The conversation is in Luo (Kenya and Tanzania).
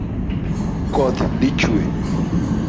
Koth dhi chwe